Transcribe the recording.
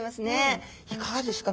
いかがですか？